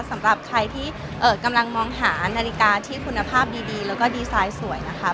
สำหรับใครที่กำลังมองหานาฬิกาที่คุณภาพดีแล้วก็ดีไซน์สวยนะคะ